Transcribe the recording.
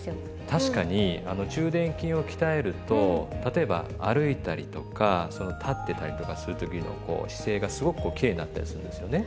確かに中臀筋を鍛えると例えば歩いたりとか立ってたりとかする時のこう姿勢がすごくこうきれいになったりするんですよね。